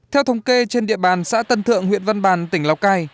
theo thống kê trên địa bàn xã tân thượng huyện văn bàn tỉnh lào cai